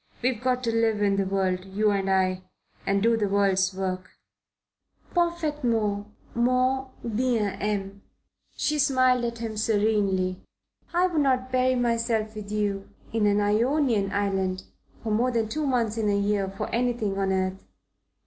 We've got to live in the world, you and I, and do the world's work." "Parfaitement, mon bien aime." She smiled at him serenely. "I would not bury myself with you in an Ionian island for more than two months in a year for anything on earth.